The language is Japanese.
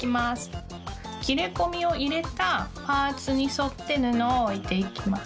きれこみをいれたパーツにそって布をおいていきます。